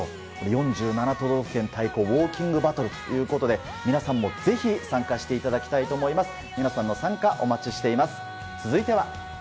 ４７都道府県対抗ウォーキングバトルということで皆さんもぜひ参加していただきたいと思います。